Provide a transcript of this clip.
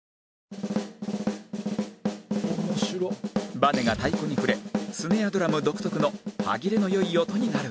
バネが太鼓に触れスネアドラム独特の歯切れの良い音になるんです